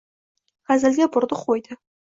Hazilga burdi, qo‘ydi.